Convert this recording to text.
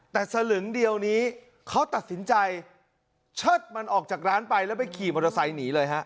แต่สลึงเดียวนี้เขาตัดสินใจเชิดมันออกจากร้านไปแล้วไปขี่มอเตอร์ไซค์หนีเลยฮะ